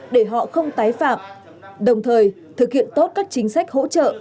để họ không tái phạm đồng thời thực hiện tốt các chính sách hỗ trợ